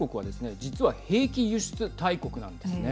実は兵器輸出大国なんですね。